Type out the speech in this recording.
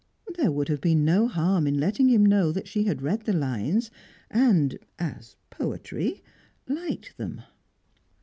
There would have been no harm in letting him know that she had read the lines, and as poetry liked them.